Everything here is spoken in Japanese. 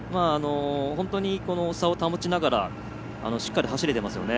本当に、差を保ちながらしっかり走れていますよね。